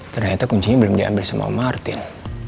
ternyata kuncinya belum diambil sama martin